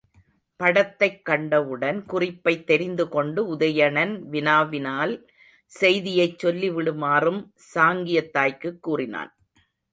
படத்தைக் கண்டவுடன் குறிப்பைத் தெரிந்துகொண்டு உதயணன் வினாவினால் செய்தியைச் சொல்லிவிடுமாறும் சாங்கியத் தாய்க்குக் கூறினான்.